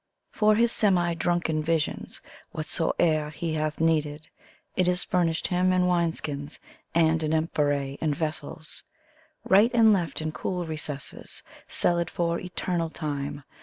For his semi drunken visions whatsoever he hath needed, It is furnished him in wine ^skins, and in amphor» and vessels. Right and left in cool recesses, cellared for eternal time.